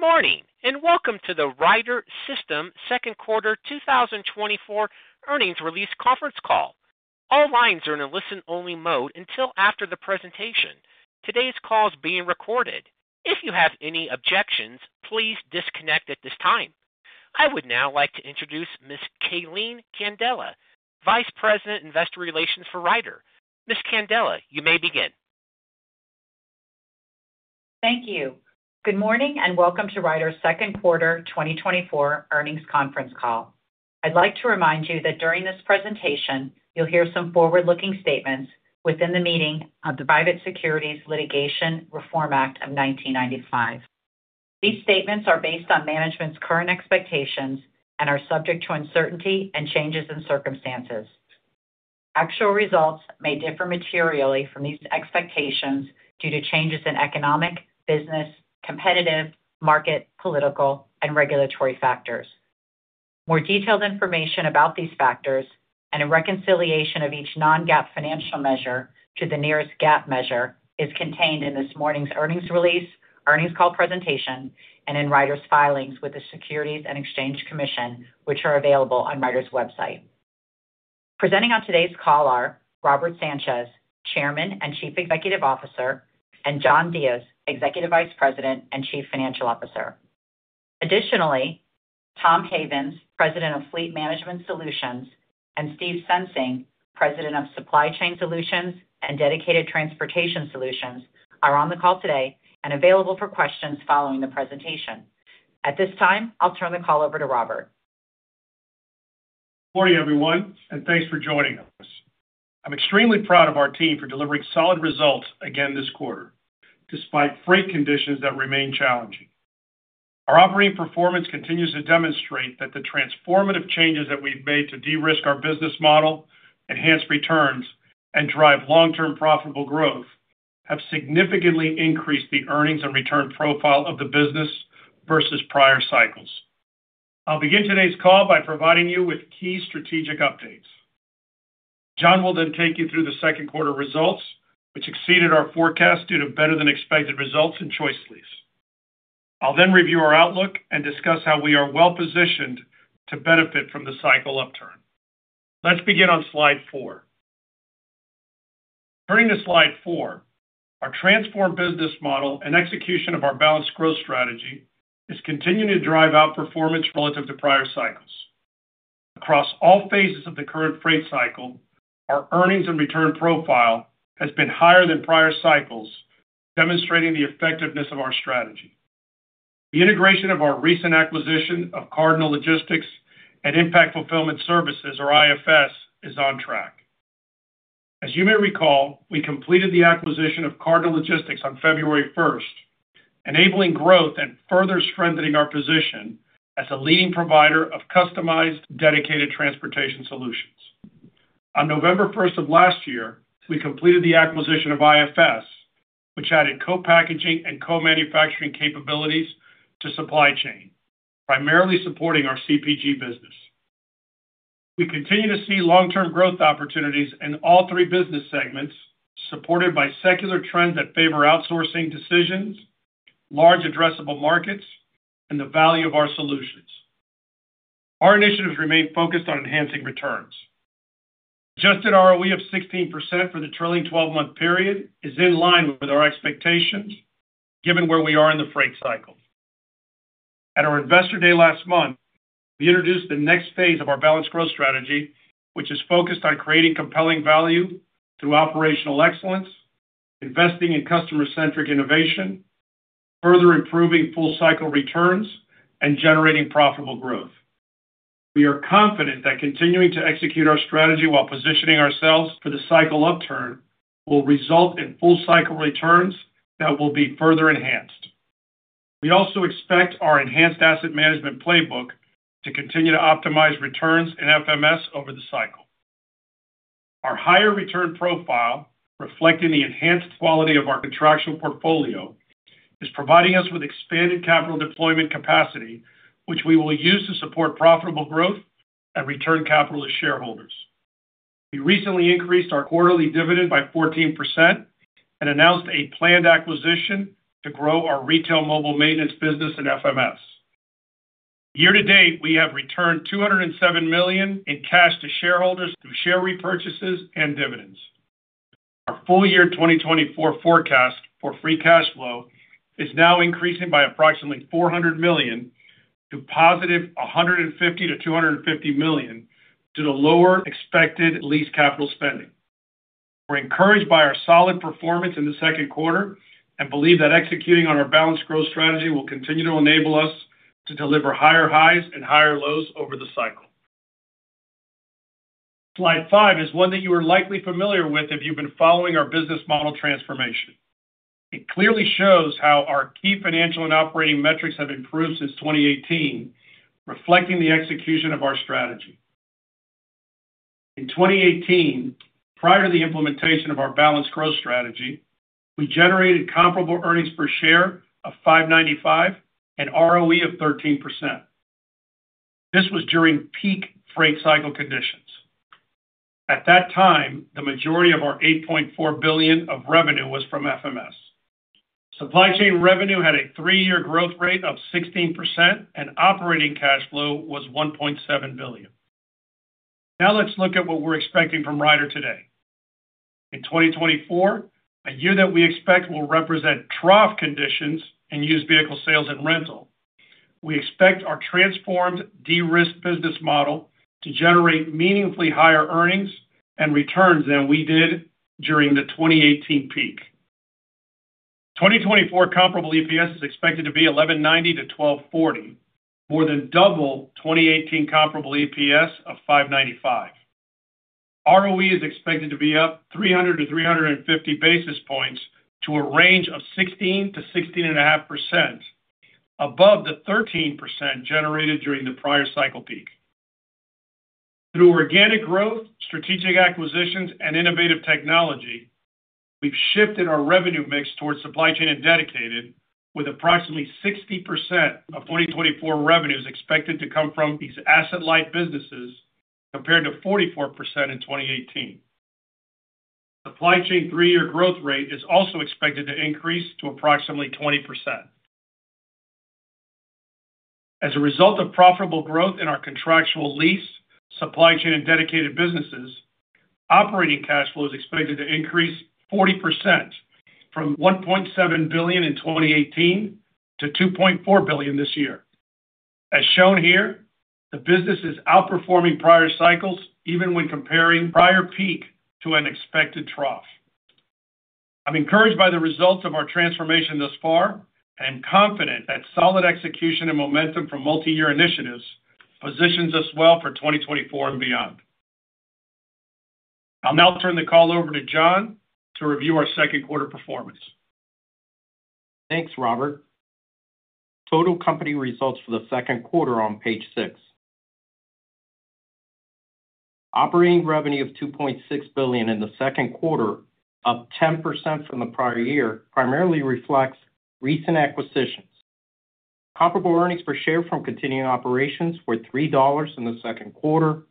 Good morning and welcome to the Ryder System Second Quarter 2024 earnings release conference call. All lines are in a listen-only mode until after the presentation. Today's call is being recorded. If you have any objections, please disconnect at this time. I would now like to introduce Ms. Calene Candela, Vice President Investor Relations for Ryder. Ms. Candela, you may begin. Thank you. Good morning and welcome to Ryder's second quarter 2024 earnings conference call. I'd like to remind you that during this presentation you'll hear some forward-looking statements within the meaning of the Private Securities Litigation Reform Act of 1995. These statements are based on management's current expectations and are subject to uncertainty and changes in circumstances. Actual results may differ materially from these expectations due to changes in economic, business, competitive, market, political, and regulatory factors. More detailed information about these factors and a reconciliation of each non-GAAP financial measure to the nearest GAAP measure is contained in this morning's earnings release, earnings call presentation, and in Ryder's filings with the Securities and Exchange Commission, which are available on Ryder's website. Presenting on today's call are Robert Sanchez, Chairman and Chief Executive Officer, and John Diez, Executive Vice President and Chief Financial Officer. Additionally, Tom Havens, President of Fleet Management Solutions, and Steve Sensing, President of Supply Chain Solutions and Dedicated Transportation Solutions, are on the call today and available for questions following the presentation. At this time, I'll turn the call over to Robert. Good morning, everyone, and thanks for joining us. I'm extremely proud of our team for delivering solid results again this quarter, despite freight conditions that remain challenging. Our operating performance continues to demonstrate that the transformative changes that we've made to de-risk our business model, enhance returns, and drive long-term profitable growth have significantly increased the earnings and return profile of the business versus prior cycles. I'll begin today's call by providing you with key strategic updates. John will then take you through the second quarter results, which exceeded our forecast due to better-than-expected results in ChoiceLease. I'll then review our outlook and discuss how we are well-positioned to benefit from the cycle upturn. Let's begin on slide 4. Turning to slide 4, our transformed business model and execution of our balanced growth strategy is continuing to drive outperformance relative to prior cycles. Across all phases of the current freight cycle, our earnings and return profile has been higher than prior cycles, demonstrating the effectiveness of our strategy. The integration of our recent acquisition of Cardinal Logistics and Impact Fulfillment Services, or IFS, is on track. As you may recall, we completed the acquisition of Cardinal Logistics on February 1st, enabling growth and further strengthening our position as a leading provider of customized Dedicated transportation solutions. On November 1st of last year, we completed the acquisition of IFS, which added co-packaging and co-manufacturing capabilities to supply chain, primarily supporting our CPG business. We continue to see long-term growth opportunities in all three business segments, supported by secular trends that favor outsourcing decisions, large addressable markets, and the value of our solutions. Our initiatives remain focused on enhancing returns. Adjusted ROE of 16% for the trailing 12-month period is in line with our expectations, given where we are in the freight cycle. At our investor day last month, we introduced the next phase of our balanced growth strategy, which is focused on creating compelling value through operational excellence, investing in customer-centric innovation, further improving full-cycle returns, and generating profitable growth. We are confident that continuing to execute our strategy while positioning ourselves for the cycle upturn will result in full-cycle returns that will be further enhanced. We also expect our enhanced asset management playbook to continue to optimize returns and FMS over the cycle. Our higher return profile, reflecting the enhanced quality of our contractual portfolio, is providing us with expanded capital deployment capacity, which we will use to support profitable growth and return capital to shareholders. We recently increased our quarterly dividend by 14% and announced a planned acquisition to grow our retail mobile maintenance business and FMS. Year to date, we have returned $207 million in cash to shareholders through share repurchases and dividends. Our full year 2024 forecast for free cash flow is now increasing by approximately $400 million to positive $150-$250 million due to lower expected lease capital spending. We're encouraged by our solid performance in the second quarter and believe that executing on our balanced growth strategy will continue to enable us to deliver higher highs and higher lows over the cycle. Slide five is one that you are likely familiar with if you've been following our business model transformation. It clearly shows how our key financial and operating metrics have improved since 2018, reflecting the execution of our strategy. In 2018, prior to the implementation of our balanced growth strategy, we generated comparable earnings per share of $5.95 and ROE of 13%. This was during peak freight cycle conditions. At that time, the majority of our $8.4 billion of revenue was from FMS. Supply chain revenue had a three-year growth rate of 16%, and operating cash flow was $1.7 billion. Now let's look at what we're expecting from Ryder today. In 2024, a year that we expect will represent trough conditions in used vehicle sales and rental. We expect our transformed de-risk business model to generate meaningfully higher earnings and returns than we did during the 2018 peak. 2024 comparable EPS is expected to be $11.90-$12.40, more than double 2018 comparable EPS of $5.95. ROE is expected to be up 300 to 350 basis points to a range of 16%-16.5%, above the 13% generated during the prior cycle peak. Through organic growth, strategic acquisitions, and innovative technology, we've shifted our revenue mix towards supply chain and dedicated, with approximately 60% of 2024 revenues expected to come from these asset-like businesses compared to 44% in 2018. Supply chain three-year growth rate is also expected to increase to approximately 20%. As a result of profitable growth in our contractual lease, supply chain, and dedicated businesses, operating cash flow is expected to increase 40% from $1.7 billion in 2018 to $2.4 billion this year. As shown here, the business is outperforming prior cycles even when comparing prior peak to an expected trough. I'm encouraged by the results of our transformation thus far and confident that solid execution and momentum from multi-year initiatives positions us well for 2024 and beyond. I'll now turn the call over to John to review our second quarter performance. Thanks, Robert. Total company results for the second quarter on page six. Operating revenue of $2.6 billion in the second quarter, up 10% from the prior year, primarily reflects recent acquisitions. Comparable earnings per share from continuing operations were $3 in the second quarter,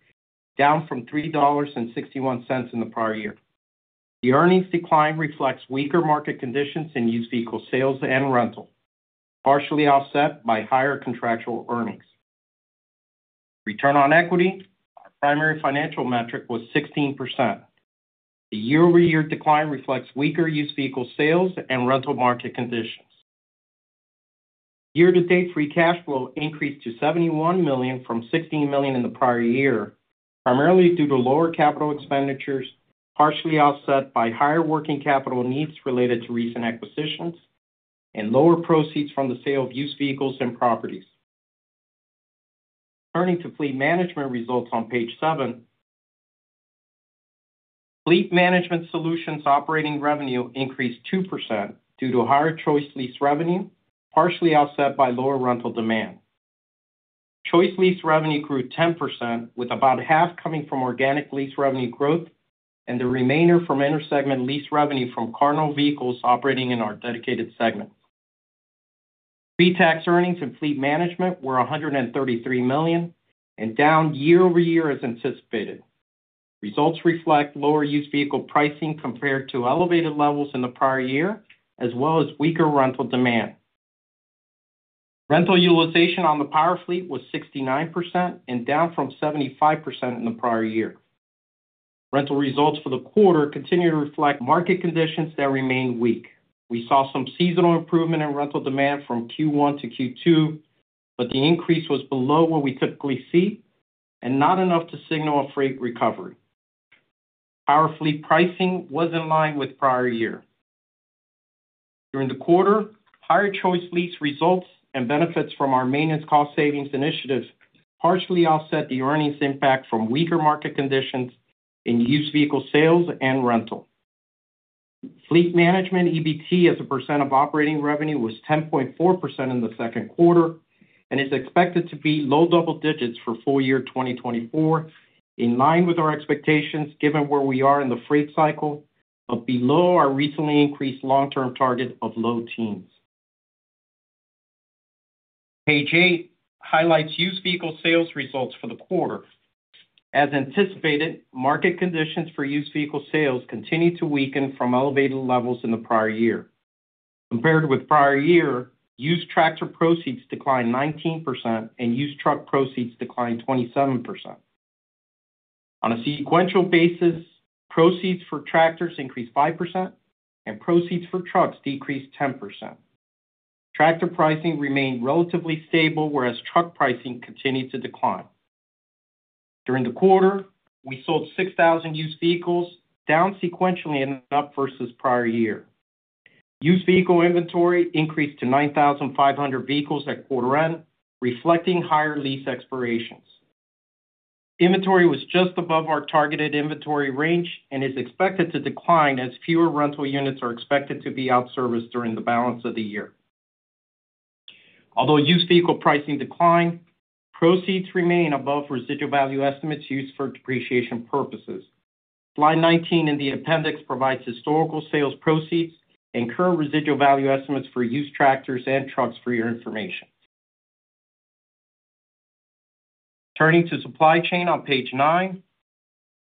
down from $3.61 in the prior year. The earnings decline reflects weaker market conditions in used vehicle sales and rental, partially offset by higher contractual earnings. Return on equity, our primary financial metric, was 16%. The year-over-year decline reflects weaker used vehicle sales and rental market conditions. Year-to-date free cash flow increased to $71 million from $16 million in the prior year, primarily due to lower capital expenditures, partially offset by higher working capital needs related to recent acquisitions, and lower proceeds from the sale of used vehicles and properties. Turning to Fleet Management Solutions results on page 7, Fleet Management Solutions' operating revenue increased 2% due to higher ChoiceLease revenue, partially offset by lower rental demand. ChoiceLease revenue grew 10%, with about half coming from organic lease revenue growth and the remainder from intersegment lease revenue from Cardinal vehicles operating in our dedicated segment. Pre-tax earnings in Fleet Management Solutions were $133 million, down year-over-year as anticipated. Results reflect lower used vehicle pricing compared to elevated levels in the prior year, as well as weaker rental demand. Rental utilization on the power fleet was 69% and down from 75% in the prior year. Rental results for the quarter continue to reflect market conditions that remain weak. We saw some seasonal improvement in rental demand from Q1 to Q2, but the increase was below what we typically see and not enough to signal a freight recovery. Power fleet pricing was in line with prior year. During the quarter, higher ChoiceLease results and benefits from our maintenance cost savings initiative partially offset the earnings impact from weaker market conditions in used vehicle sales and rental. Fleet Management EBT as a percent of operating revenue was 10.4% in the second quarter and is expected to be low double digits for full year 2024, in line with our expectations given where we are in the freight cycle, but below our recently increased long-term target of low teens. Page eight highlights used vehicle sales results for the quarter. As anticipated, market conditions for used vehicle sales continue to weaken from elevated levels in the prior year. Compared with prior year, used tractor proceeds declined 19% and used truck proceeds declined 27%. On a sequential basis, proceeds for tractors increased 5% and proceeds for trucks decreased 10%. Tractor pricing remained relatively stable, whereas truck pricing continued to decline. During the quarter, we sold 6,000 used vehicles, down sequentially and up versus prior year. Used vehicle inventory increased to 9,500 vehicles at quarter end, reflecting higher lease expirations. Inventory was just above our targeted inventory range and is expected to decline as fewer rental units are expected to be outserviced during the balance of the year. Although used vehicle pricing declined, proceeds remain above residual value estimates used for depreciation purposes. Slide 19 in the appendix provides historical sales proceeds and current residual value estimates for used tractors and trucks for your information. Turning to Supply Chain on page 9,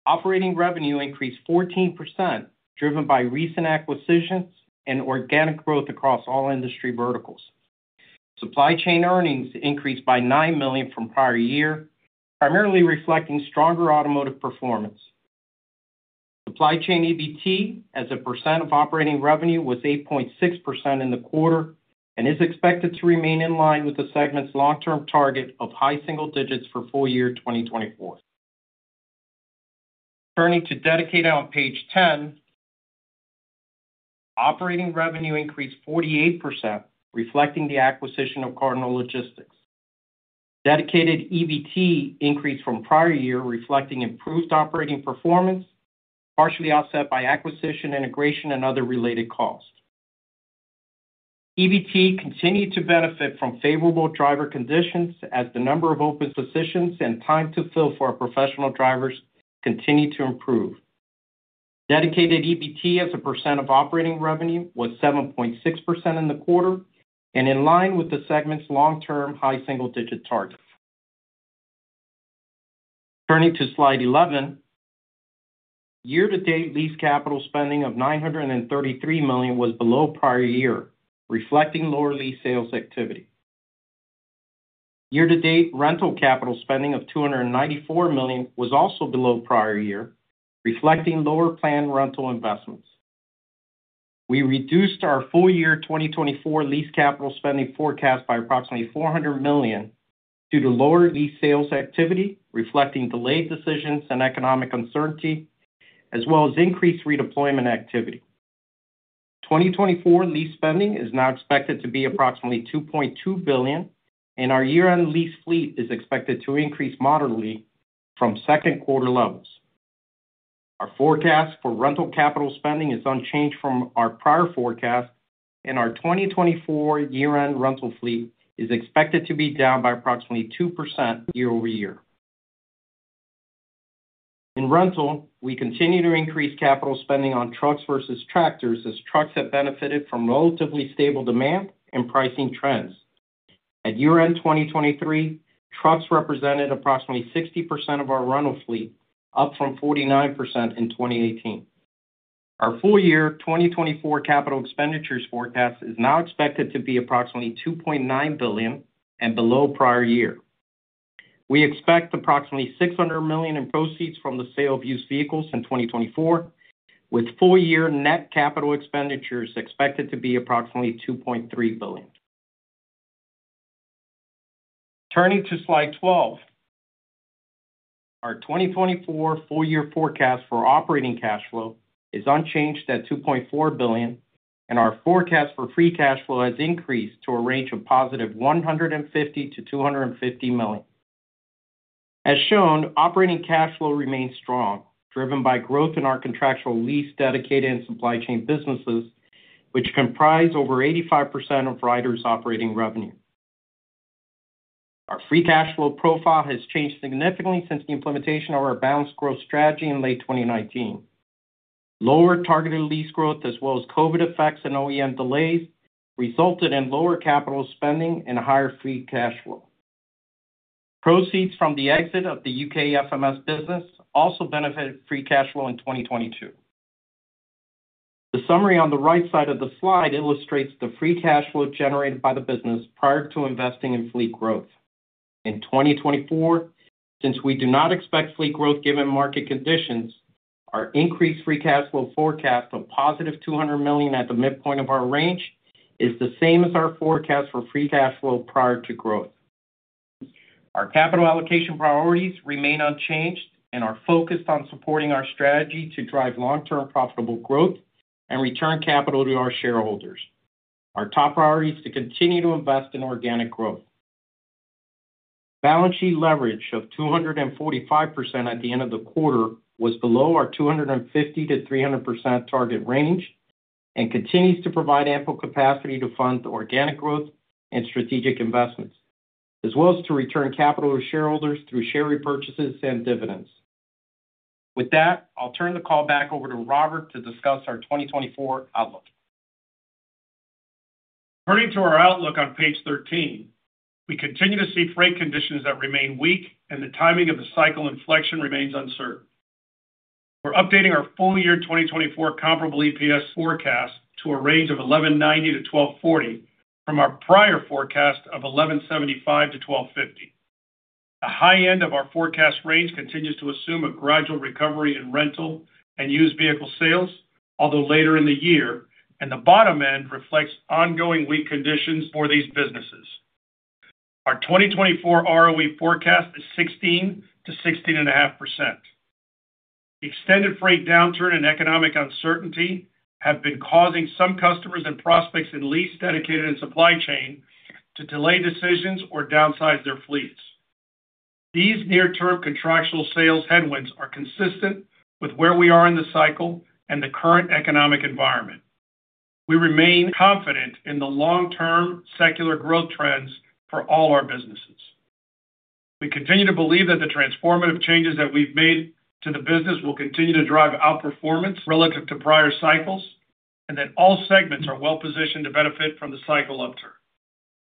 operating revenue increased 14%, driven by recent acquisitions and organic growth across all industry verticals. Supply Chain earnings increased by $9 million from prior year, primarily reflecting stronger automotive performance. Supply Chain EBT as a percent of operating revenue was 8.6% in the quarter and is expected to remain in line with the segment's long-term target of high single digits for full year 2024. Turning to dedicated on page 10, operating revenue increased 48%, reflecting the acquisition of Cardinal Logistics. Dedicated EBT increased from prior year, reflecting improved operating performance, partially offset by acquisition, integration, and other related costs. EBT continued to benefit from favorable driver conditions as the number of open positions and time to fill for professional drivers continued to improve. Dedicated EBT as a percent of operating revenue was 7.6% in the quarter and in line with the segment's long-term high single digit target. Turning to slide 11, year-to-date lease capital spending of $933 million was below prior year, reflecting lower lease sales activity. Year-to-date rental capital spending of $294 million was also below prior year, reflecting lower planned rental investments. We reduced our full year 2024 lease capital spending forecast by approximately $400 million due to lower lease sales activity, reflecting delayed decisions and economic uncertainty, as well as increased redeployment activity. 2024 lease spending is now expected to be approximately $2.2 billion, and our year-end lease fleet is expected to increase moderately from second quarter levels. Our forecast for rental capital spending is unchanged from our prior forecast, and our 2024 year-end rental fleet is expected to be down by approximately 2% year-over-year. In rental, we continue to increase capital spending on trucks versus tractors as trucks have benefited from relatively stable demand and pricing trends. At year-end 2023, trucks represented approximately 60% of our rental fleet, up from 49% in 2018. Our full year 2024 capital expenditures forecast is now expected to be approximately $2.9 billion and below prior year. We expect approximately $600 million in proceeds from the sale of used vehicles in 2024, with full year net capital expenditures expected to be approximately $2.3 billion. Turning to slide 12, our 2024 full year forecast for operating cash flow is unchanged at $2.4 billion, and our forecast for free cash flow has increased to a range of positive $150-$250 million. As shown, operating cash flow remains strong, driven by growth in our contractual lease, dedicated, and supply chain businesses, which comprise over 85% of Ryder's operating revenue. Our free cash flow profile has changed significantly since the implementation of our balanced growth strategy in late 2019. Lower targeted lease growth, as well as COVID effects and OEM delays, resulted in lower capital spending and higher free cash flow. Proceeds from the exit of the U.K. FMS business also benefited free cash flow in 2022. The summary on the right side of the slide illustrates the free cash flow generated by the business prior to investing in fleet growth. In 2024, since we do not expect fleet growth given market conditions, our increased free cash flow forecast of positive $200 million at the midpoint of our range is the same as our forecast for free cash flow prior to growth. Our capital allocation priorities remain unchanged, and are focused on supporting our strategy to drive long-term profitable growth and return capital to our shareholders. Our top priority is to continue to invest in organic growth. Balance sheet leverage of 245% at the end of the quarter was below our 250%-300% target range and continues to provide ample capacity to fund the organic growth and strategic investments, as well as to return capital to shareholders through share repurchases and dividends. With that, I'll turn the call back over to Robert to discuss our 2024 outlook. Turning to our outlook on page 13, we continue to see freight conditions that remain weak, and the timing of the cycle inflection remains uncertain. We're updating our full year 2024 comparable EPS forecast to a range of $11.90-$12.40 from our prior forecast of $11.75-$12.50. The high end of our forecast range continues to assume a gradual recovery in rental and used vehicle sales, although later in the year, and the bottom end reflects ongoing weak conditions for these businesses. Our 2024 ROE forecast is 16%-16.5%. Extended freight downturn and economic uncertainty have been causing some customers and prospects in lease, dedicated, and supply chain to delay decisions or downsize their fleets. These near-term contractual sales headwinds are consistent with where we are in the cycle and the current economic environment. We remain confident in the long-term secular growth trends for all our businesses. We continue to believe that the transformative changes that we've made to the business will continue to drive outperformance relative to prior cycles and that all segments are well positioned to benefit from the cycle upturn.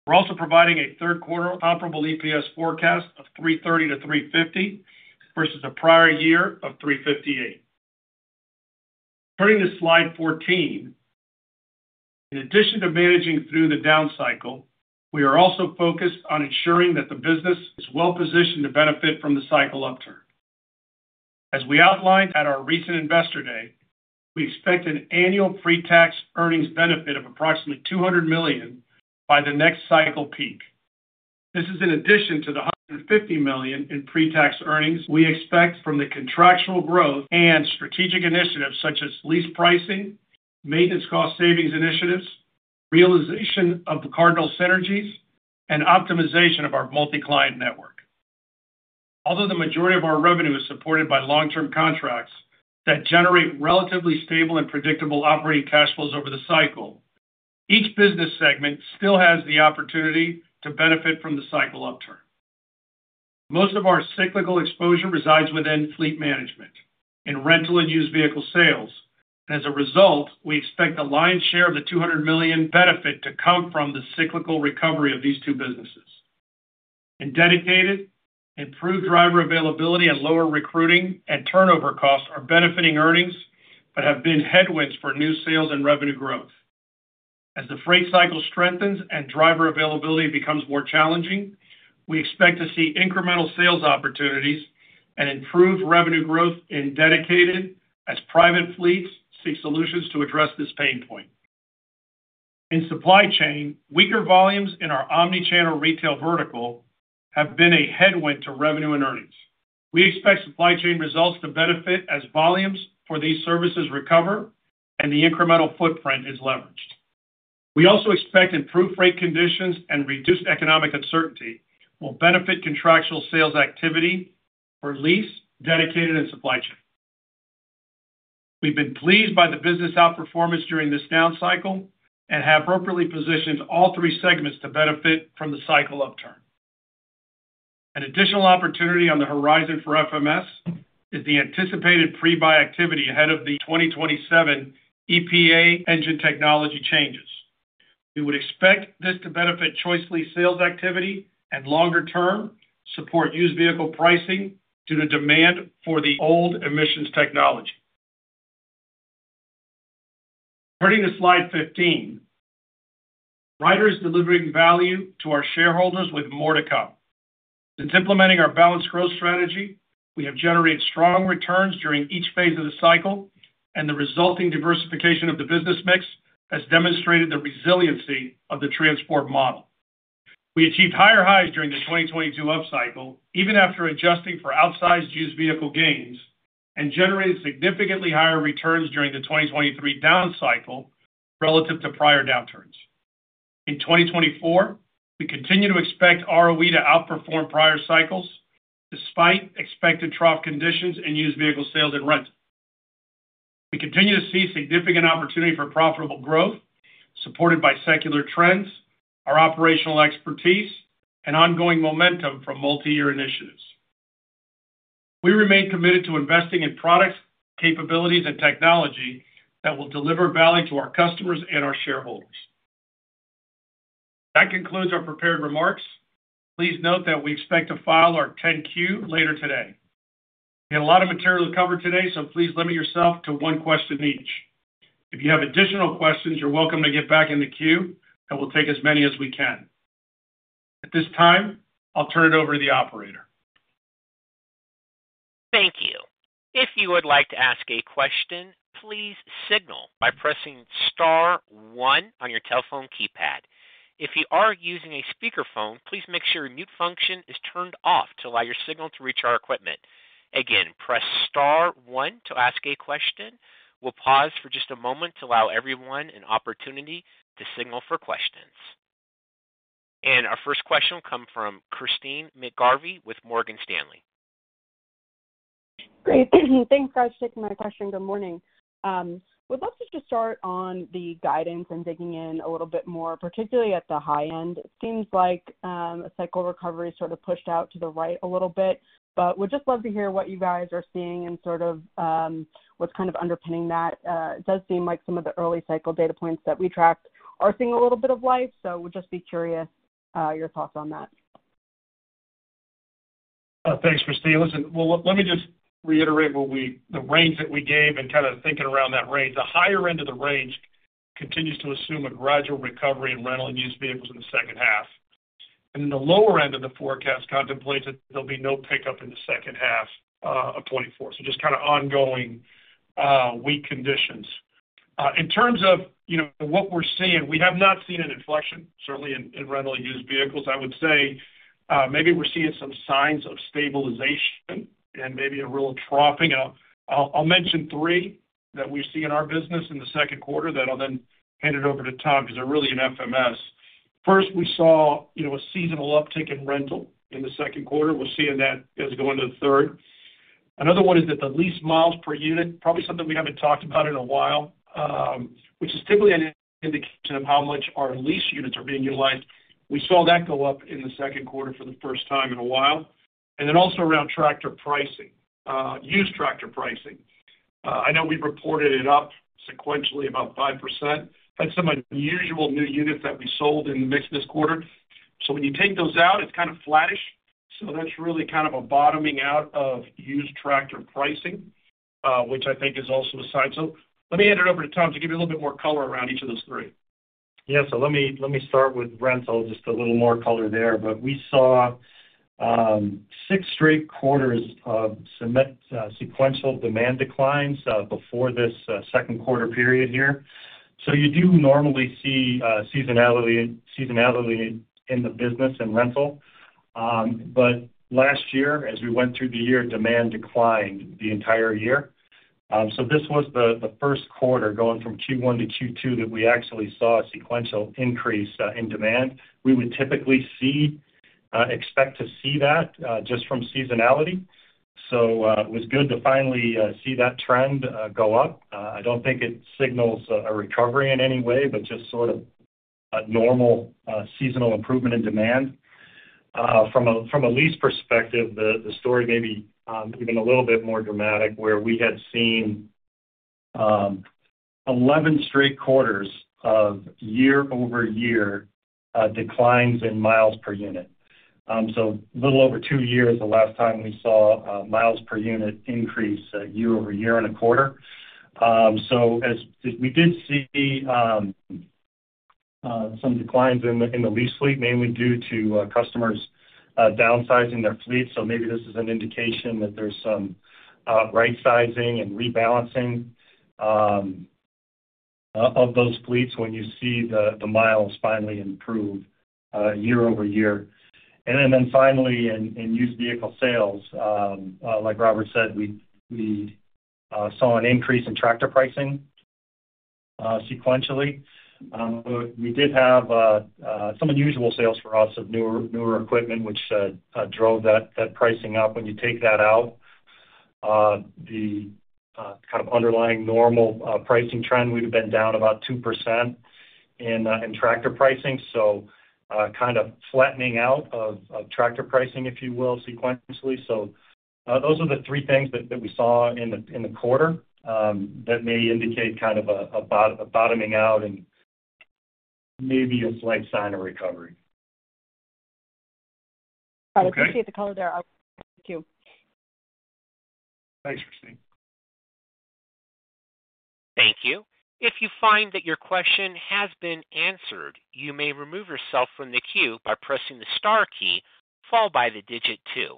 We're also providing a third quarter comparable EPS forecast of $3.30-$3.50 versus a prior year of $3.58. Turning to slide 14, in addition to managing through the down cycle, we are also focused on ensuring that the business is well positioned to benefit from the cycle upturn. As we outlined at our recent investor day, we expect an annual pre-tax earnings benefit of approximately $200 million by the next cycle peak. This is in addition to the $150 million in pre-tax earnings we expect from the contractual growth and strategic initiatives such as lease pricing, maintenance cost savings initiatives, realization of the Cardinal synergies, and optimization of our multi-client network. Although the majority of our revenue is supported by long-term contracts that generate relatively stable and predictable operating cash flows over the cycle, each business segment still has the opportunity to benefit from the cycle upturn. Most of our cyclical exposure resides within fleet management and rental and used vehicle sales, and as a result, we expect the lion's share of the $200 million benefit to come from the cyclical recovery of these two businesses. And dedicated, improved driver availability and lower recruiting and turnover costs are benefiting earnings but have been headwinds for new sales and revenue growth. As the freight cycle strengthens and driver availability becomes more challenging, we expect to see incremental sales opportunities and improved revenue growth in dedicated as private fleets seek solutions to address this pain point. In supply chain, weaker volumes in our omnichannel retail vertical have been a headwind to revenue and earnings. We expect supply chain results to benefit as volumes for these services recover and the incremental footprint is leveraged. We also expect improved freight conditions and reduced economic uncertainty will benefit contractual sales activity for lease, dedicated, and supply chain. We've been pleased by the business outperformance during this down cycle and have appropriately positioned all three segments to benefit from the cycle upturn. An additional opportunity on the horizon for FMS is the anticipated pre-buy activity ahead of the 2027 EPA engine technology changes. We would expect this to benefit ChoiceLease sales activity and longer-term support used vehicle pricing due to demand for the old emissions technology. Turning to Slide 15, Ryder is delivering value to our shareholders with more to come. Since implementing our balanced growth strategy, we have generated strong returns during each phase of the cycle, and the resulting diversification of the business mix has demonstrated the resiliency of the transport model. We achieved higher highs during the 2022 up cycle, even after adjusting for outsized used vehicle gains, and generated significantly higher returns during the 2023 down cycle relative to prior downturns. In 2024, we continue to expect ROE to outperform prior cycles despite expected trough conditions and used vehicle sales and rental. We continue to see significant opportunity for profitable growth supported by secular trends, our operational expertise, and ongoing momentum from multi-year initiatives. We remain committed to investing in products, capabilities, and technology that will deliver value to our customers and our shareholders. That concludes our prepared remarks. Please note that we expect to file our 10-Q later today. We had a lot of material to cover today, so please limit yourself to one question each. If you have additional questions, you're welcome to get back in the queue, and we'll take as many as we can. At this time, I'll turn it over to the operator. Thank you. If you would like to ask a question, please signal by pressing star one on your telephone keypad. If you are using a speakerphone, please make sure your mute function is turned off to allow your signal to reach our equipment. Again, press star one to ask a question. We'll pause for just a moment to allow everyone an opportunity to signal for questions. Our first question will come from Christyne McGarvey with Morgan Stanley. Great. Thanks, Rob. Take my question. Good morning. We'd love to just start on the guidance and digging in a little bit more, particularly at the high end. It seems like cycle recovery sort of pushed out to the right a little bit, but we'd just love to hear what you guys are seeing and sort of what's kind of underpinning that. It does seem like some of the early cycle data points that we tracked are seeing a little bit of life, so we'd just be curious your thoughts on that. Thanks, Christyne. Listen, well, let me just reiterate the range that we gave and kind of thinking around that range. The higher end of the range continues to assume a gradual recovery in rental and used vehicles in the second half. And then the lower end of the forecast contemplates that there'll be no pickup in the second half of 2024. So just kind of ongoing weak conditions. In terms of what we're seeing, we have not seen an inflection, certainly in rental and used vehicles. I would say maybe we're seeing some signs of stabilization and maybe a real troughing. I'll mention three that we see in our business in the second quarter that I'll then hand it over to Tom because they're really in FMS. First, we saw a seasonal uptick in rental in the second quarter. We're seeing that as we go into the third. Another one is that the lease miles per unit, probably something we haven't talked about in a while, which is typically an indication of how much our lease units are being utilized. We saw that go up in the second quarter for the first time in a while. And then also around tractor pricing, used tractor pricing. I know we've reported it up sequentially about 5%. That's some unusual new units that we sold in the mix this quarter. So when you take those out, it's kind of flattish. So that's really kind of a bottoming out of used tractor pricing, which I think is also a sign. So let me hand it over to Tom to give you a little bit more color around each of those three. Yeah. So let me start with rental, just a little more color there. But we saw six straight quarters of sequential demand declines before this second quarter period here. So you do normally see seasonality in the business and rental. But last year, as we went through the year, demand declined the entire year. So this was the first quarter going from Q1 to Q2 that we actually saw a sequential increase in demand. We would typically expect to see that just from seasonality. So it was good to finally see that trend go up. I don't think it signals a recovery in any way, but just sort of a normal seasonal improvement in demand. From a lease perspective, the story may be even a little bit more dramatic, where we had seen 11 straight quarters of year-over-year declines in miles per unit. So a little over two years the last time we saw miles per unit increase year-over-year in a quarter. So we did see some declines in the lease fleet, mainly due to customers downsizing their fleet. So maybe this is an indication that there's some right-sizing and rebalancing of those fleets when you see the miles finally improve year-over-year. And then finally, in used vehicle sales, like Robert said, we saw an increase in tractor pricing sequentially. We did have some unusual sales for us of newer equipment, which drove that pricing up. When you take that out, the kind of underlying normal pricing trend would have been down about 2% in tractor pricing. So kind of flattening out of tractor pricing, if you will, sequentially. So those are the three things that we saw in the quarter that may indicate kind of a bottoming out and maybe a slight sign of recovery. I appreciate the color there. Thank you. Thanks, Christine. Thank you. If you find that your question has been answered, you may remove yourself from the queue by pressing the star key, followed by the digit two.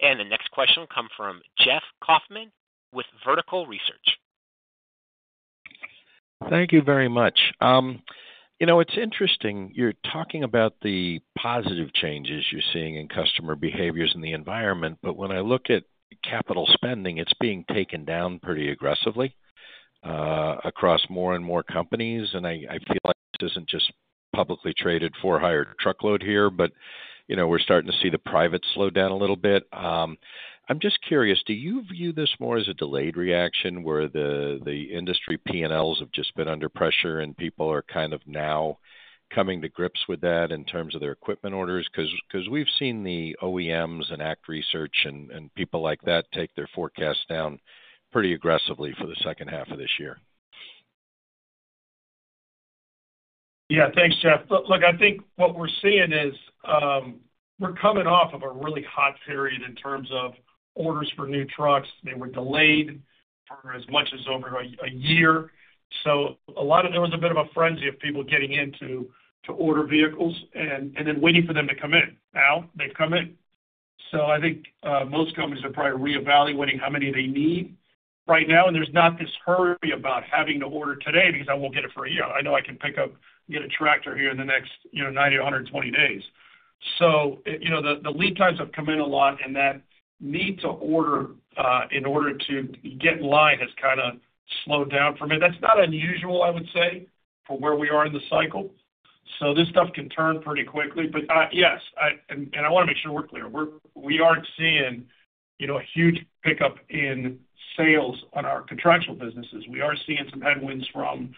The next question will come from Jeff Kauffman with Vertical Research Partners. Thank you very much. It's interesting. You're talking about the positive changes you're seeing in customer behaviors in the environment, but when I look at capital spending, it's being taken down pretty aggressively across more and more companies. I feel like this isn't just publicly traded for higher truckload here, but we're starting to see the private slow down a little bit. I'm just curious, do you view this more as a delayed reaction where the industry P&Ls have just been under pressure and people are kind of now coming to grips with that in terms of their equipment orders? Because we've seen the OEMs and ACT Research and people like that take their forecasts down pretty aggressively for the second half of this year. Yeah. Thanks, Jeff. Look, I think what we're seeing is we're coming off of a really hot period in terms of orders for new trucks. They were delayed for as much as over a year. So a lot of there was a bit of a frenzy of people getting in to order vehicles and then waiting for them to come in. Now they've come in. So I think most companies are probably reevaluating how many they need right now. And there's not this hurry about having to order today because I won't get it for a year. I know I can pick up, get a tractor here in the next 90-120 days. So the lead times have come in a lot, and that need to order in order to get in line has kind of slowed down for me. That's not unusual, I would say, for where we are in the cycle. So this stuff can turn pretty quickly. But yes, and I want to make sure we're clear. We aren't seeing a huge pickup in sales on our contractual businesses. We are seeing some headwinds from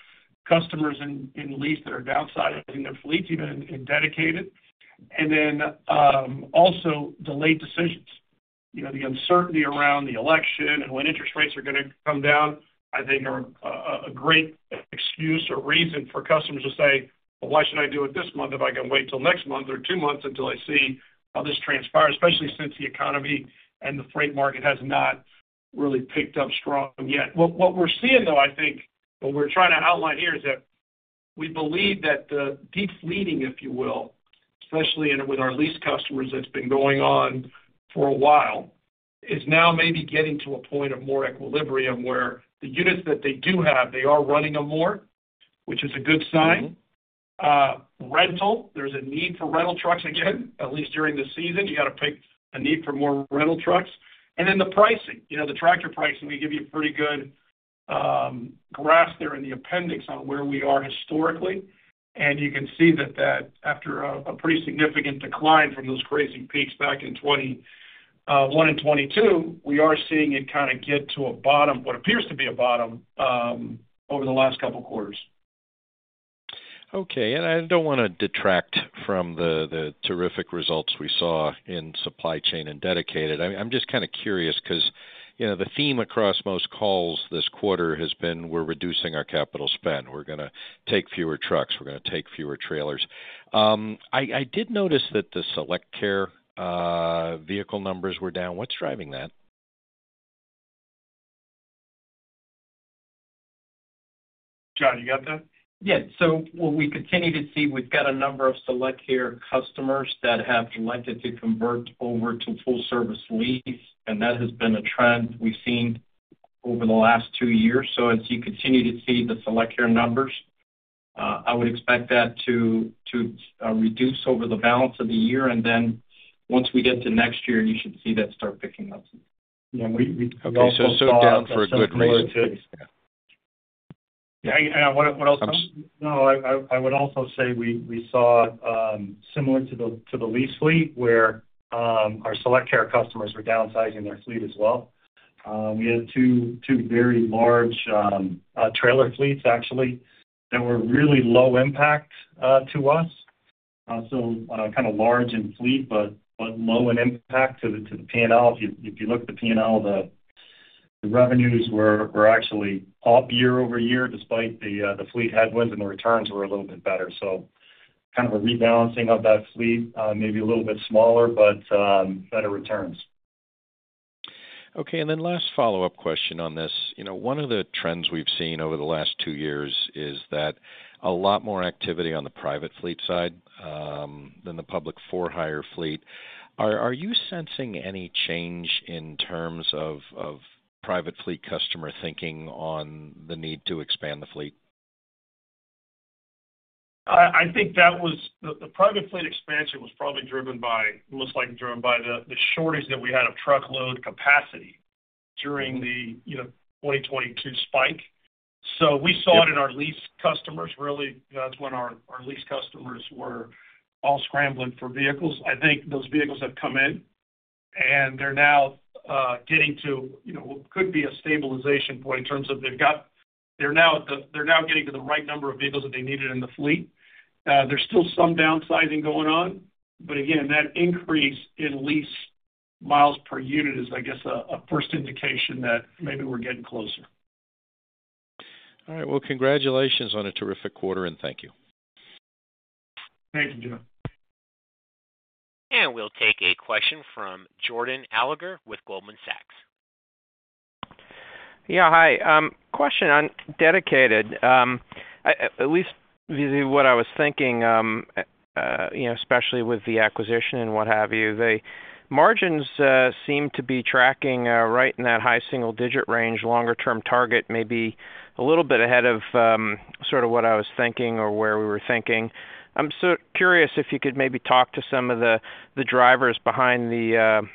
customers in lease that are downsizing their fleets, even in dedicated. And then also delayed decisions. The uncertainty around the election and when interest rates are going to come down, I think, are a great excuse or reason for customers to say, "Well, why should I do it this month if I can wait till next month or two months until I see how this transpires?" Especially since the economy and the freight market has not really picked up strong yet. What we're seeing, though, I think, what we're trying to outline here is that we believe that the de-fleeting, if you will, especially with our lease customers, that's been going on for a while, is now maybe getting to a point of more equilibrium where the units that they do have, they are running them more, which is a good sign. Rental, there's a need for rental trucks again, at least during the season. You got a peak need for more rental trucks. And then the pricing, the tractor pricing, we give you a pretty good grasp there in the appendix on where we are historically. And you can see that after a pretty significant decline from those crazy peaks back in 2021 and 2022, we are seeing it kind of get to a bottom, what appears to be a bottom over the last couple of quarters. Okay. And I don't want to detract from the terrific results we saw in supply chain and dedicated. I'm just kind of curious because the theme across most calls this quarter has been, "We're reducing our capital spend. We're going to take fewer trucks. We're going to take fewer trailers." I did notice that the SelectCare vehicle numbers were down. What's driving that? John, you got that? Yeah. So what we continue to see, we've got a number of SelectCare customers that have elected to convert over to full-service lease, and that has been a trend we've seen over the last two years. So as you continue to see the SelectCare numbers, I would expect that to reduce over the balance of the year. And then once we get to next year, you should see that start picking up. Yeah. We also saw down for a good reason. Yeah. And what else? No, I would also say we saw similar to the lease fleet where our SelectCare customers were downsizing their fleet as well. We had two very large trailer fleets, actually, that were really low impact to us. So kind of large in fleet, but low in impact to the P&L. If you look at the P&L, the revenues were actually up year-over-year despite the fleet headwinds, and the returns were a little bit better. So kind of a rebalancing of that fleet, maybe a little bit smaller, but better returns. Okay. And then last follow-up question on this. One of the trends we've seen over the last two years is that a lot more activity on the private fleet side than the public for-hire fleet. Are you sensing any change in terms of private fleet customer thinking on the need to expand the fleet? I think that was the private fleet expansion was probably driven by, most likely driven by the shortage that we had of truckload capacity during the 2022 spike. So we saw it in our lease customers, really. That's when our lease customers were all scrambling for vehicles. I think those vehicles have come in, and they're now getting to what could be a stabilization point in terms of they're now getting to the right number of vehicles that they needed in the fleet. There's still some downsizing going on. But again, that increase in lease miles per unit is, I guess, a first indication that maybe we're getting closer. All right. Well, congratulations on a terrific quarter, and thank you. Thank you, John. And we'll take a question from Jordan Alliger with Goldman Sachs. Yeah. Hi. Question on dedicated. At least what I was thinking, especially with the acquisition and what have you, the margins seem to be tracking right in that high single-digit range. Longer-term target may be a little bit ahead of sort of what I was thinking or where we were thinking. I'm so curious if you could maybe talk to some of the drivers behind the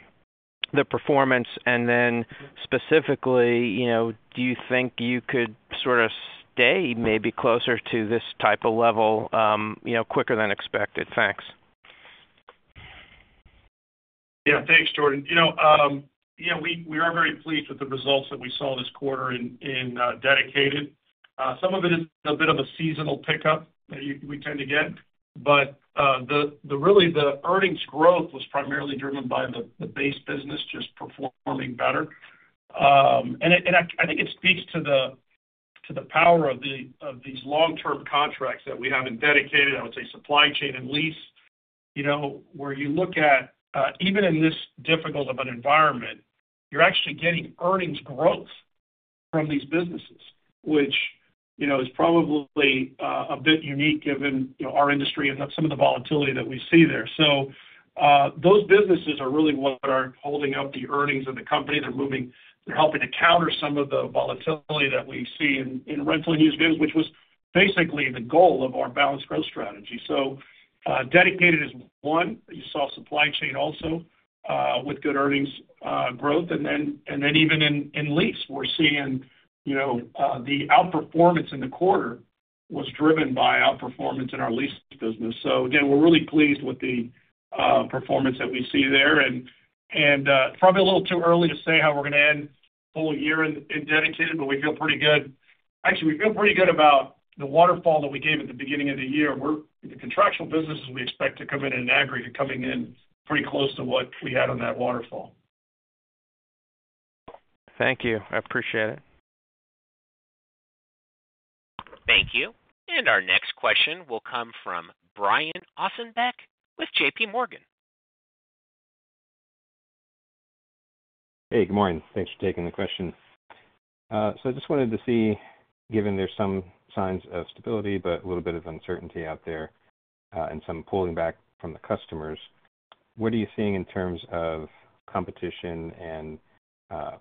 performance. And then specifically, do you think you could sort of stay maybe closer to this type of level quicker than expected? Thanks. Yeah. Thanks, Jordan. Yeah. We are very pleased with the results that we saw this quarter in dedicated. Some of it is a bit of a seasonal pickup that we tend to get. But really, the earnings growth was primarily driven by the base business just performing better. And I think it speaks to the power of these long-term contracts that we have in dedicated, I would say, supply chain and lease, where you look at even in this difficult of an environment, you're actually getting earnings growth from these businesses, which is probably a bit unique given our industry and some of the volatility that we see there. So those businesses are really what are holding up the earnings of the company. They're helping to counter some of the volatility that we see in rental and used vehicles, which was basically the goal of our balanced growth strategy. So dedicated is one. You saw supply chain also with good earnings growth. And then even in lease, we're seeing the outperformance in the quarter was driven by outperformance in our lease business. So again, we're really pleased with the performance that we see there. And probably a little too early to say how we're going to end the full year in dedicated, but we feel pretty good. Actually, we feel pretty good about the waterfall that we gave at the beginning of the year. The contractual businesses, we expect to come in and aggregate coming in pretty close to what we had on that waterfall. Thank you. I appreciate it. Thank you. Our next question will come from Brian Ossenbeck with J.P. Morgan. Hey. Good morning. Thanks for taking the question. I just wanted to see, given there's some signs of stability, but a little bit of uncertainty out there and some pulling back from the customers, what are you seeing in terms of competition and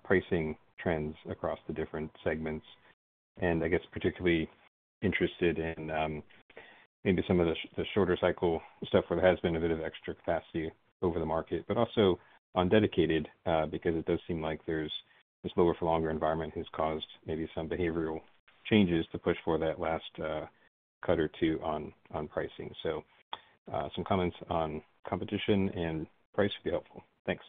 pricing trends across the different segments? I guess particularly interested in maybe some of the shorter-cycle stuff where there has been a bit of extra capacity over the market, but also on dedicated because it does seem like this lower-for-longer environment has caused maybe some behavioral changes to push for that last cut or two on pricing. Some comments on competition and price would be helpful. Thanks.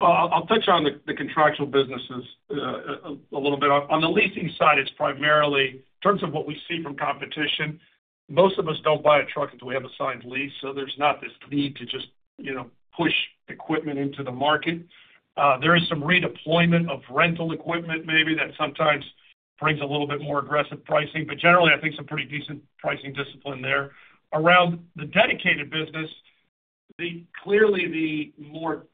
I'll touch on the contractual businesses a little bit. On the leasing side, it's primarily in terms of what we see from competition. Most of us don't buy a truck until we have a signed lease, so there's not this need to just push equipment into the market. There is some redeployment of rental equipment maybe that sometimes brings a little bit more aggressive pricing. But generally, I think some pretty decent pricing discipline there. Around the dedicated business, clearly the more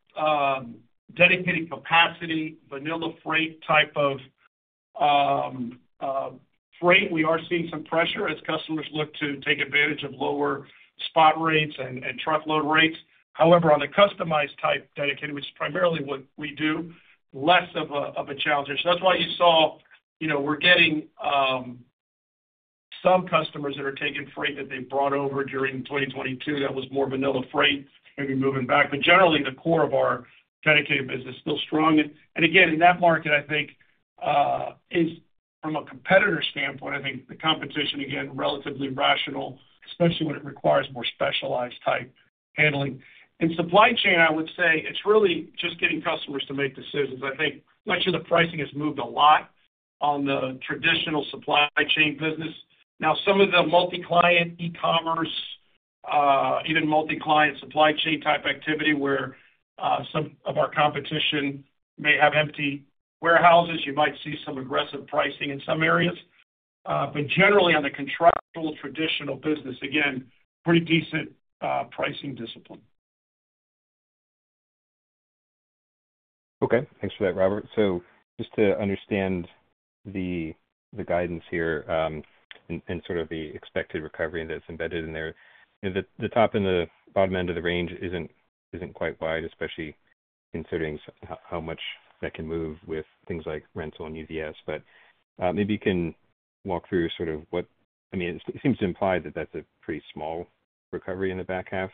dedicated capacity, vanilla freight type of freight, we are seeing some pressure as customers look to take advantage of lower spot rates and truckload rates. However, on the customized type dedicated, which is primarily what we do, less of a challenge. So that's why you saw we're getting some customers that are taking freight that they brought over during 2022 that was more vanilla freight, maybe moving back. But generally, the core of our dedicated business is still strong. And again, in that market, I think from a competitor standpoint, I think the competition, again, relatively rational, especially when it requires more specialized type handling. In supply chain, I would say it's really just getting customers to make decisions. I think much of the pricing has moved a lot on the traditional supply chain business. Now, some of the multi-client e-commerce, even multi-client supply chain type activity where some of our competition may have empty warehouses, you might see some aggressive pricing in some areas. But generally, on the contractual traditional business, again, pretty decent pricing discipline. Okay. Thanks for that, Robert. So just to understand the guidance here and sort of the expected recovery that's embedded in there, the top and the bottom end of the range isn't quite wide, especially considering how much that can move with things like rental and UVS. But maybe you can walk through sort of what I mean. It seems to imply that that's a pretty small recovery in the back half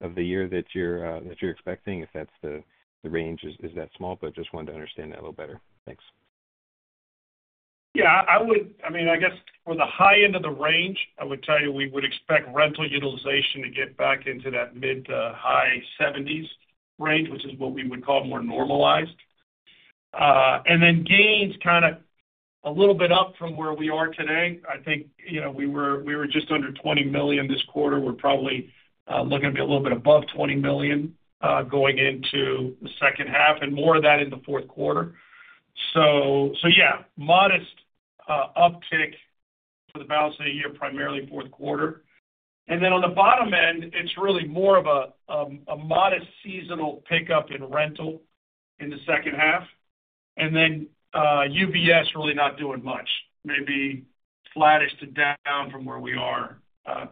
of the year that you're expecting if that's the range. Is that small? But just wanted to understand that a little better. Thanks. Yeah. I mean, I guess for the high end of the range, I would tell you we would expect rental utilization to get back into that mid to high 70s range, which is what we would call more normalized. And then gains kind of a little bit up from where we are today. I think we were just under $20 million this quarter. We're probably looking to be a little bit above $20 million going into the second half and more of that in the fourth quarter. So yeah, modest uptick for the balance of the year, primarily fourth quarter. And then on the bottom end, it's really more of a modest seasonal pickup in rental in the second half. And then UVS really not doing much, maybe flatish to down from where we are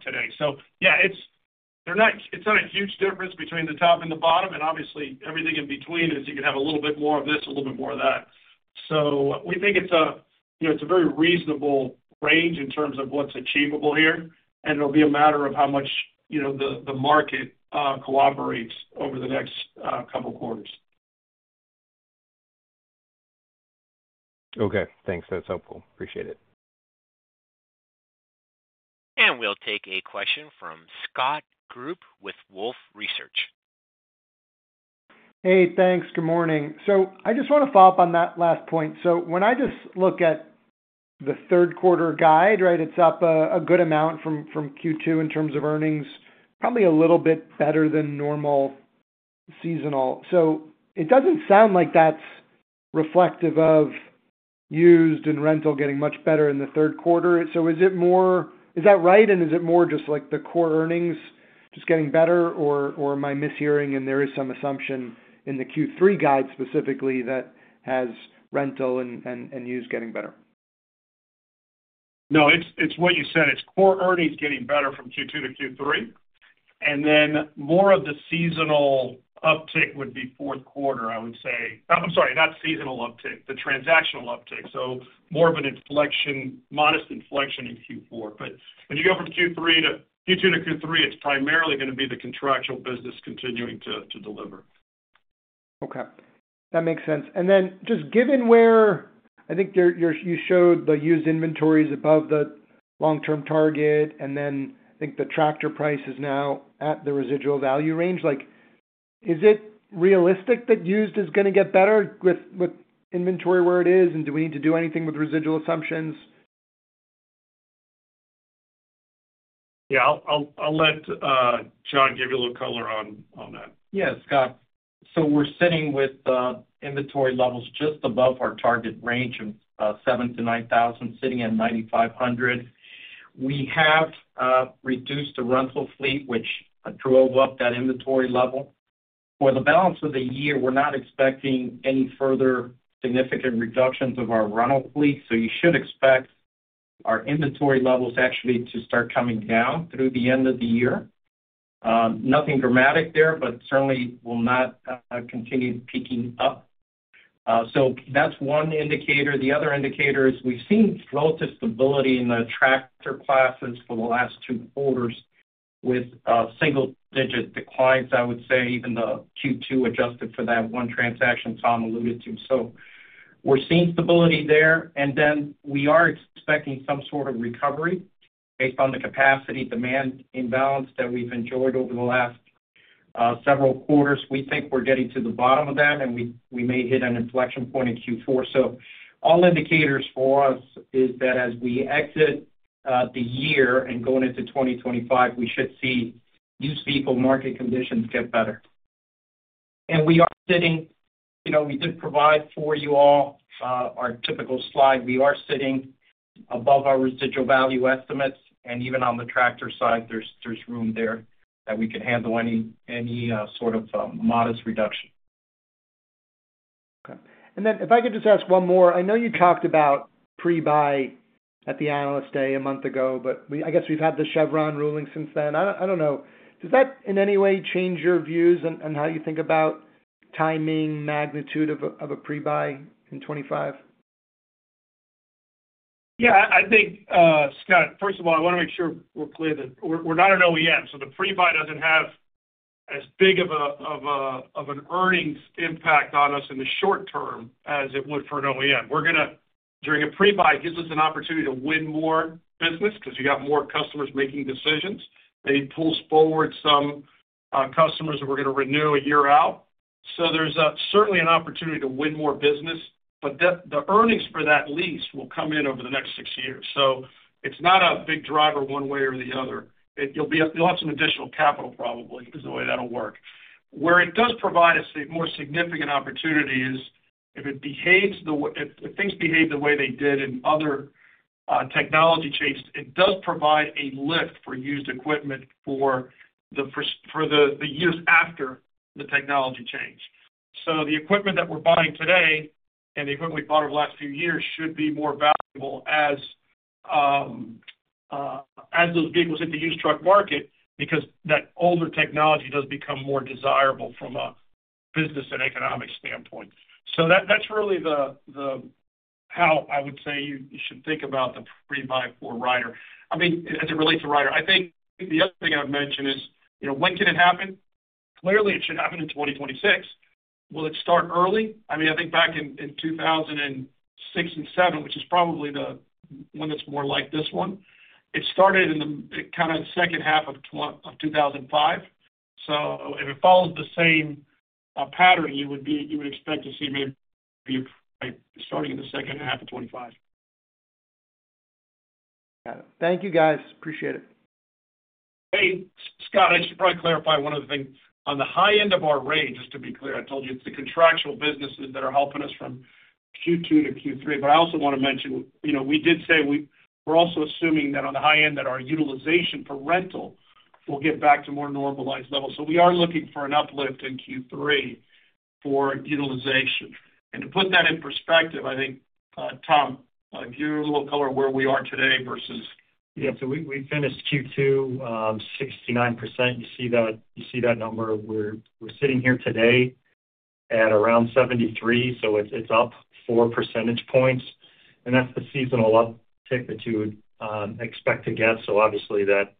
today. So yeah, it's not a huge difference between the top and the bottom. And obviously, everything in between is you can have a little bit more of this, a little bit more of that. So we think it's a very reasonable range in terms of what's achievable here. And it'll be a matter of how much the market cooperates over the next couple of quarters. Okay. Thanks. That's helpful. Appreciate it. And we'll take a question from Scott Group with Wolfe Research. Hey. Thanks. Good morning. So I just want to follow up on that last point. So when I just look at the third-quarter guide, right, it's up a good amount from Q2 in terms of earnings, probably a little bit better than normal seasonal. So it doesn't sound like that's reflective of used and rental getting much better in the third quarter. So is that right? And is it more just like the core earnings just getting better, or am I mishearing? And there is some assumption in the Q3 guide specifically that has rental and used getting better. No, it's what you said. It's core earnings getting better from Q2 to Q3. And then more of the seasonal uptick would be fourth quarter, I would say. I'm sorry, not seasonal uptick, the transactional uptick. So more of a modest inflection in Q4. But when you go from Q2 to Q3, it's primarily going to be the contractual business continuing to deliver. Okay. That makes sense. And then just given where I think you showed the used inventories above the long-term target, and then I think the tractor price is now at the residual value range, is it realistic that used is going to get better with inventory where it is? And do we need to do anything with residual assumptions? Yeah. I'll let John give you a little color on that. Yeah. Scott, so we're sitting with inventory levels just above our target range of 7,000-9,000, sitting at 9,500. We have reduced the rental fleet, which drove up that inventory level. For the balance of the year, we're not expecting any further significant reductions of our rental fleet. So you should expect our inventory levels actually to start coming down through the end of the year. Nothing dramatic there, but certainly will not continue peaking up. So that's one indicator. The other indicator is we've seen relative stability in the tractor classes for the last 2 quarters with single-digit declines, I would say, even the Q2 adjusted for that one transaction Tom alluded to. So we're seeing stability there. And then we are expecting some sort of recovery based on the capacity demand imbalance that we've enjoyed over the last several quarters. We think we're getting to the bottom of that, and we may hit an inflection point in Q4. So all indicators for us is that as we exit the year and going into 2025, we should see used vehicle market conditions get better. And we did provide for you all our typical slide. We are sitting above our residual value estimates. Even on the tractor side, there's room there that we can handle any sort of modest reduction. Okay. Then if I could just ask one more, I know you talked about pre-buy at the analyst day a month ago, but I guess we've had the Chevron ruling since then. I don't know. Does that in any way change your views and how you think about timing, magnitude of a pre-buy in 2025? Yeah. I think, Scott, first of all, I want to make sure we're clear that we're not an OEM. So the pre-buy doesn't have as big of an earnings impact on us in the short term as it would for an OEM. During a pre-buy, it gives us an opportunity to win more business because you got more customers making decisions. They pull forward some customers that we're going to renew a year out. So there's certainly an opportunity to win more business, but the earnings for that lease will come in over the next six years. So it's not a big driver one way or the other. You'll have some additional capital probably is the way that'll work. Where it does provide us a more significant opportunity is if things behave the way they did in other technology changes. It does provide a lift for used equipment for the years after the technology change. So the equipment that we're buying today and the equipment we bought over the last few years should be more valuable as those vehicles hit the used truck market because that older technology does become more desirable from a business and economic standpoint. So that's really how I would say you should think about the pre-buy for Ryder. I mean, as it relates to Ryder, I think the other thing I've mentioned is when can it happen? Clearly, it should happen in 2026. Will it start early? I mean, I think back in 2006 and 2007, which is probably the one that's more like this one, it started in the kind of second half of 2005. So if it follows the same pattern, you would expect to see maybe a price starting in the second half of 2025. Got it. Thank you, guys. Appreciate it. Hey, Scott, I should probably clarify one other thing. On the high end of our range, just to be clear, I told you it's the contractual businesses that are helping us from Q2 to Q3. But I also want to mention we did say we're also assuming that on the high end that our utilization for rental will get back to more normalized levels. So we are looking for an uplift in Q3 for utilization. And to put that in perspective, I think, Tom, give you a little color where we are today versus yeah. So we finished Q2 69%. You see that number. We're sitting here today at around 73%. So it's up four percentage points. And that's the seasonal uptick that you would expect to get. So obviously, that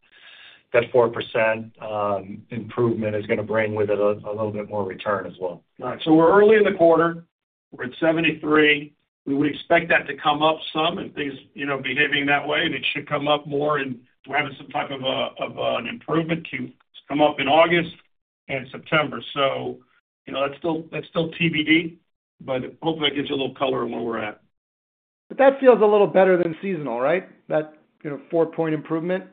4% improvement is going to bring with it a little bit more return as well. All right. So we're early in the quarter. We're at 73%. We would expect that to come up some if things are behaving that way. And it should come up more. We're having some type of an improvement to come up in August and September. So that's still TBD, but hopefully, it gives you a little color on where we're at. But that feels a little better than seasonal, right? That four-point improvement?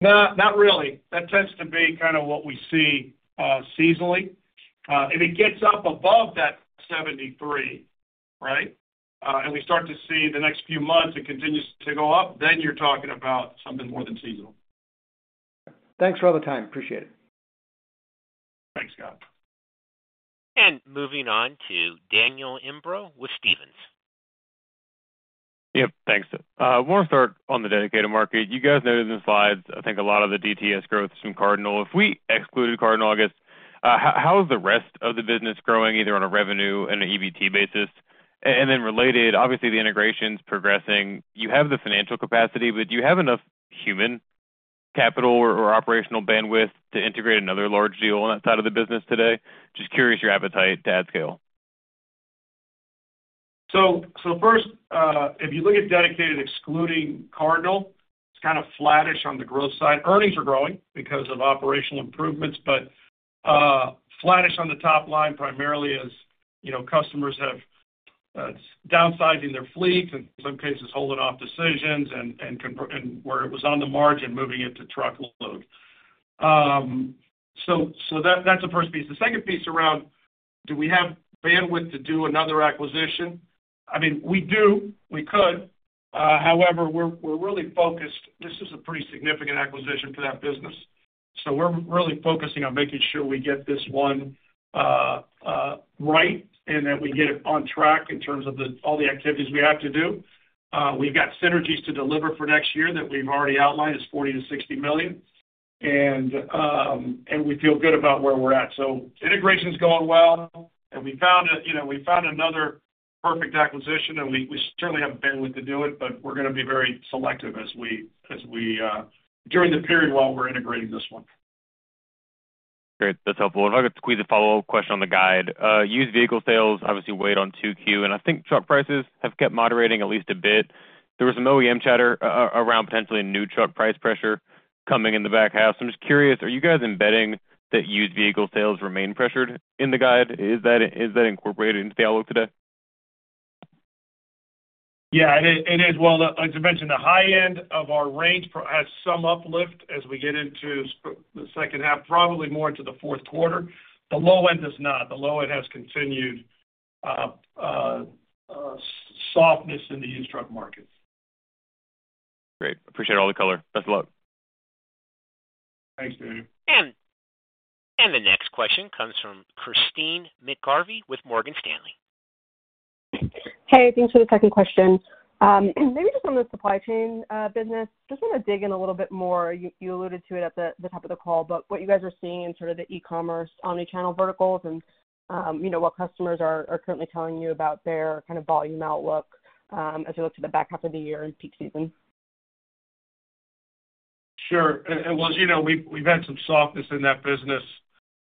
Not really. That tends to be kind of what we see seasonally. If it gets up above that 73, right, and we start to see the next few months it continues to go up, then you're talking about something more than seasonal. Okay. Thanks for all the time. Appreciate it. Thanks, Scott. And moving on to Daniel Imbro with Stephens. Yep. Thanks. One thing on the dedicated market. You guys noted in the slides, I think a lot of the DTS growth is from Cardinal. If we excluded Cardinal Logistics, how is the rest of the business growing either on a revenue and an EBT basis? And then related, obviously, the integration's progressing. You have the financial capacity, but do you have enough human capital or operational bandwidth to integrate another large deal on that side of the business today? Just curious your appetite to add scale. So first, if you look at dedicated excluding Cardinal, it's kind of flattish on the growth side. Earnings are growing because of operational improvements, but flattish on the top line primarily as customers have downsizing their fleets and in some cases holding off decisions and where it was on the margin moving it to truckload. So that's the first piece. The second piece around, do we have bandwidth to do another acquisition? I mean, we do. We could. However, we're really focused. This is a pretty significant acquisition for that business. So we're really focusing on making sure we get this one right and that we get it on track in terms of all the activities we have to do. We've got synergies to deliver for next year that we've already outlined as $40 million-$60 million. And we feel good about where we're at. So integration's going well. And we found another perfect acquisition, and we certainly have bandwidth to do it, but we're going to be very selective during the period while we're integrating this one. Great. That's helpful. If I could squeeze a follow-up question on the guide. Used vehicle sales obviously weighed on 2Q, and I think truck prices have kept moderating at least a bit. There was some OEM chatter around potentially new truck price pressure coming in the back half. So I'm just curious, are you guys embedding that used vehicle sales remain pressured in the guide? Is that incorporated into the outlook today? Yeah. It is. Well, as I mentioned, the high end of our range has some uplift as we get into the second half, probably more into the fourth quarter. The low end does not. The low end has continued softness in the used truck market. Great. Appreciate all the color. Best of luck. Thanks, Daniel. And the next question comes from Christyne McGarvey with Morgan Stanley. Hey. Thanks for the second question. Maybe just on the supply chain business, just want to dig in a little bit more. You alluded to it at the top of the call, but what you guys are seeing in sort of the e-commerce omnichannel verticals and what customers are currently telling you about their kind of volume outlook as we look to the back half of the year and peak season? Sure. Well, as you know, we've had some softness in that business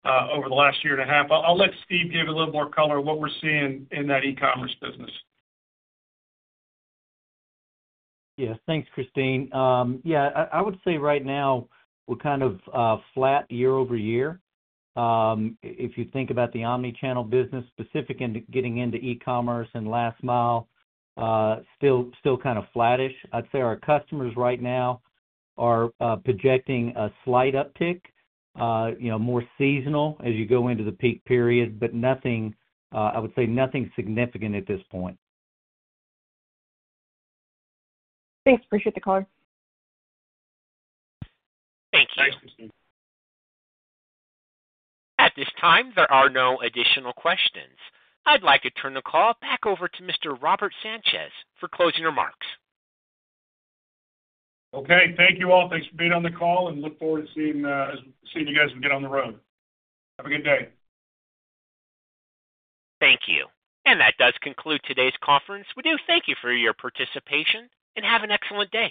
over the last year and a half. I'll let Steve give you a little more color on what we're seeing in that e-commerce business. Yes. Thanks, Christine. Yeah. I would say right now, we're kind of flat year-over-year. If you think about the omnichannel business specific and getting into e-commerce and last mile, still kind of flattish. I'd say our customers right now are projecting a slight uptick, more seasonal as you go into the peak period, but I would say nothing significant at this point. Thanks. Appreciate the call. Thank you. Thanks, Christine. At this time, there are no additional questions. I'd like to turn the call back over to Mr. Robert Sanchez for closing remarks. Okay. Thank you all. Thanks for being on the call, and look forward to seeing you guys get on the road. Have a good day. Thank you. That does conclude today's conference. We do thank you for your participation and have an excellent day.